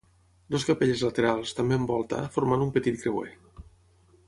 Dues capelles laterals, també amb volta, formant un petit creuer.